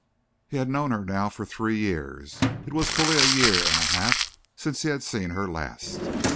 He had known her now for three years. It was fully a year and a half since he had seen her last.